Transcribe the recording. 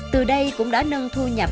từ đây cũng đã nâng thu nhập